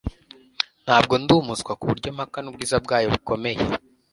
Ntabwo ndi umuswa kuburyo mpakana ubwiza bwayo bukomeye